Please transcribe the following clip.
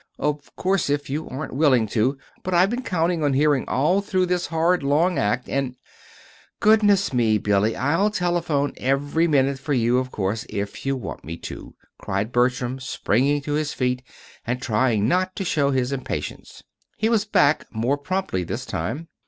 Of course if you aren't willing to but I've been counting on hearing all through this horrid long act, and " "Goodness me, Billy, I'll telephone every minute for you, of course, if you want me to," cried Bertram, springing to his feet, and trying not to show his impatience. He was back more promptly this time.